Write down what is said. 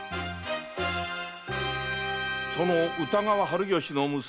その歌川春芳の娘